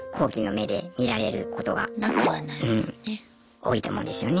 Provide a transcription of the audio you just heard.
多いと思うんですよね。